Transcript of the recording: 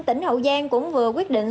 tỉnh hậu giang cũng vừa quyết định